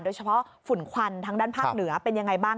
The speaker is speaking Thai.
ฝุ่นควันทางด้านภาคเหนือเป็นยังไงบ้าง